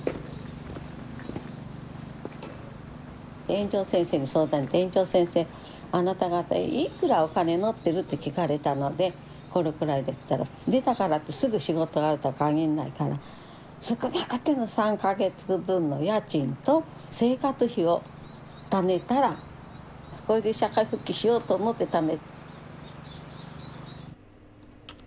園長先生に相談して園長先生「あなた方いくらお金持ってる？」って聞かれたので「これくらいです」って言ったら出たからってすぐ仕事があるとは限んないから少なくても３か月分の家賃と生活費をためたらこれで社会復帰しようと思ってた。